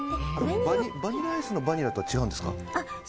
バニラアイスのバニラとは違うんですか？